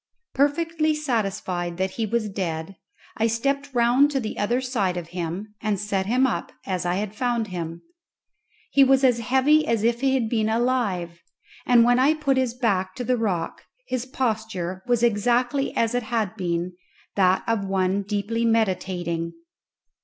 Perfectly satisfied that he was dead, I stepped round to the other side of him, and set him up as I had found him. He was as heavy as if he had been alive, and when I put his back to the rock his posture was exactly as it had been, that of one deeply meditating.